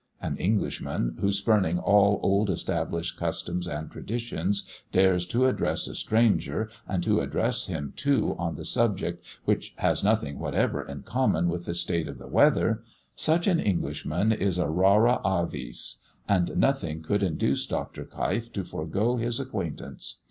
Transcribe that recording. An Englishman, who, spurning all old established customs and traditions, dares to address a stranger, and to address him too on a subject which has nothing whatever in common with the state of the weather such an Englishman is a rara avis, and nothing could induce Dr. Keif to forego his acquaintance.